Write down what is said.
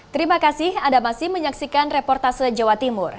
terima kasih anda masih menyaksikan reportase jawa timur